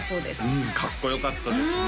うんかっこよかったですね